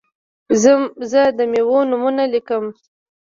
زه د میوو نومونه لیکم.